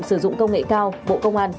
sử dụng công nghệ cao bộ công an